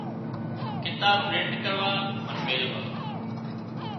ڪتاب پرنٽ ڪروا هانَ ميلوا۔